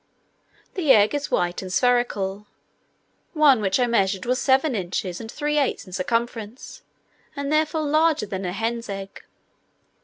The egg is white and spherical; one which I measured was seven inches and three eighths in circumference, and therefore larger than a hen's egg.